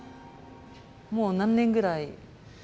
もう何年ぐらい？